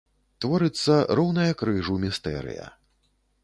Творыцца роўная крыжу містэрыя.